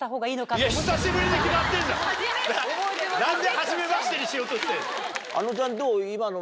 何で「はじめまして」にしようとしてんの？